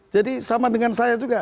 jadi sama dengan saya juga